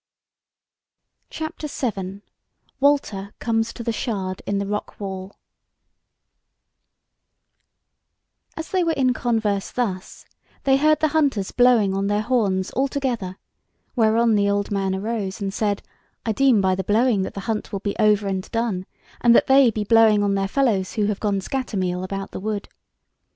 CHAPTER VII: WALTER COMES TO THE SHARD IN THE ROCK WALL As they were in converse thus, they heard the hunters blowing on their horns all together; whereon the old man arose, and said: "I deem by the blowing that the hunt will be over and done, and that they be blowing on their fellows who have gone scatter meal about the wood.